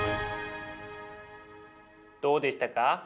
どうでしたか？